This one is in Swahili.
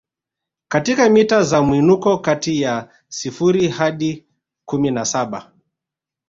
katika mita za mwinuko kati ya sifuri hadi kumi na saba